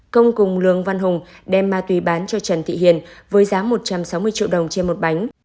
công cùng lương văn hùng đem ma túy bán cho trần thị hiền với giá một trăm sáu mươi triệu đồng trên một bánh